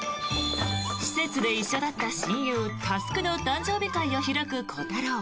施設で一緒だった親友・佑の誕生日会を開くコタロー。